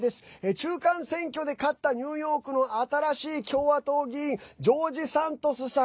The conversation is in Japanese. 中間選挙で勝ったニューヨークの新しい共和党議員ジョージ・サントスさん。